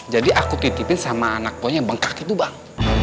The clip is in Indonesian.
jadi aku titipin sama anak boy yang bengkak itu bang